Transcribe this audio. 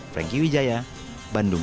franky widjaya bandung